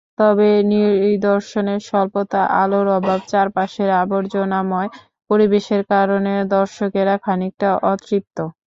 তবে নিদর্শনের স্বল্পতা, আলোর অভাব, চারপাশের আবর্জনাময় পরিবেশের কারণে দর্শকেরা খানিকটা অতৃপ্ত।